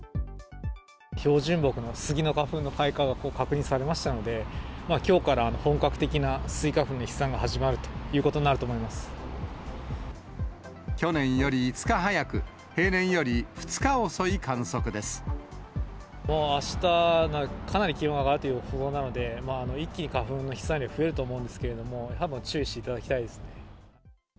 標準木のスギの開花が確認されましたので、きょうから本格的なスギ花粉の飛散が始まるという去年より５日早く、平年よりあしたがかなり気温が上がるという予想なので、一気に花粉の飛散量、増えると思うんですけれども、注意していただきたいですね。